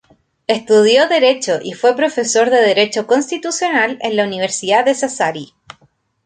Estudió derecho y fue profesor de Derecho Constitucional en la Universidad de Sassari.